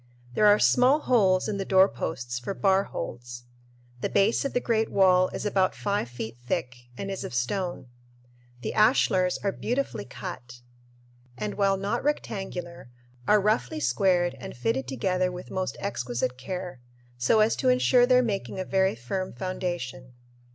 There are small holes in the doorposts for bar holds. The base of the great wall is about five feet thick and is of stone. The ashlars are beautifully cut and, while not rectangular, are roughly squared and fitted together with most exquisite care, so as to insure their making a very firm foundation.